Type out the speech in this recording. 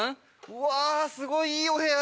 うわすごいいいお部屋